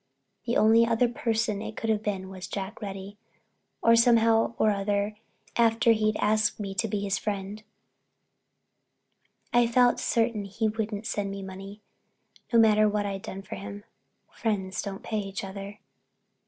The only other person it could have been was Jack Reddy, and somehow or other, after he'd asked me to be his friend, I felt certain he wouldn't send me money, no matter what I'd done for him. Friends don't pay each other.